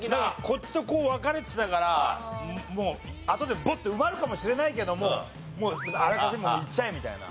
こっちとこう分かれてたからもうあとでバッて埋まるかもしれないけどももうあらかじめいっちゃえみたいな。